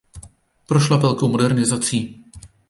Prošla velkou modernizací.